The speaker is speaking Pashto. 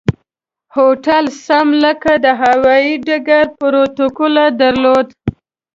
هوټل سم لکه د هوایي ډګر پروتوکول درلود.